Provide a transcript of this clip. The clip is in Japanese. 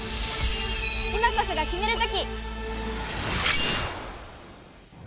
今こそがキメる時！